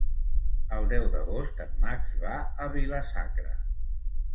El deu d'agost en Max va a Vila-sacra.